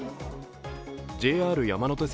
ＪＲ山手線